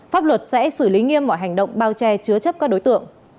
pháp luật sẽ xử lý nghiêm mọi hành động bao che chứa chấp các đối tượng